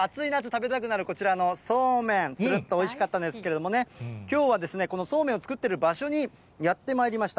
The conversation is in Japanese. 食べたくなる、こちらのそうめん、つるっとおいしかったんですけれどもね、きょうはですね、このそうめんを作ってる場所にやってまいりました。